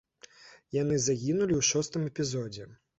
Яны загінулі ў шостым эпізодзе.